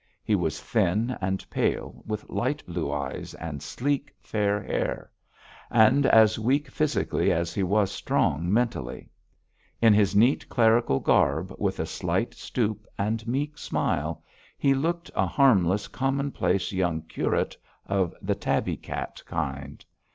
He was thin and pale, with light blue eyes and sleek fair hair; and as weak physically as he was strong mentally. In his neat clerical garb, with a slight stoop and meek smile, he looked a harmless, commonplace young curate of the tabby cat kind.